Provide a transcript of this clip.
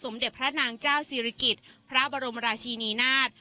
เด็จพระนางเจ้าศิริกิจพระบรมราชินีนาฏ